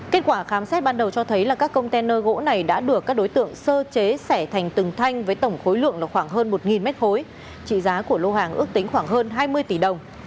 kết quả khám xét ban đầu cho thấy là các container gỗ này đã được các đối tượng sơ chế xẻ thành từng thanh với tổng khối lượng khoảng hơn một mét khối trị giá của lô hàng ước tính khoảng hơn hai mươi tỷ đồng